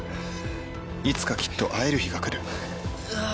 いつかきっと会える日が来る。